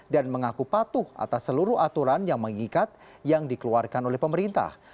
mengaku patuh atas seluruh aturan yang mengikat yang dikeluarkan oleh pemerintah